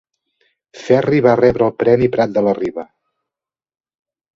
Ferri va rebre el premi Prat de la Riba.